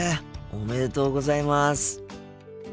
おめでとうございます。